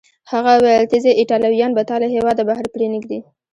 هغه وویل: ته ځې، ایټالویان به تا له هیواده بهر پرېنږدي.